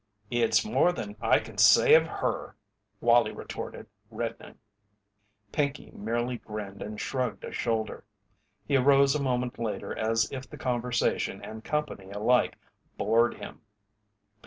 "It's more than I can say of her!" Wallie retorted, reddening. Pinkey merely grinned and shrugged a shoulder. He arose a moment later as if the conversation and company alike bored him.